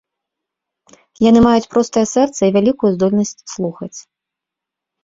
Яны маюць простае сэрца і вялікую здольнасць слухаць.